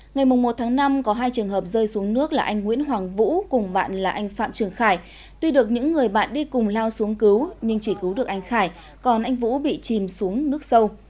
ngày một tháng năm có hai trường hợp rơi xuống nước là anh nguyễn hoàng vũ cùng bạn là anh phạm trường khải tuy được những người bạn đi cùng lao xuống cứu nhưng chỉ cứu được anh khải còn anh vũ bị chìm xuống nước sâu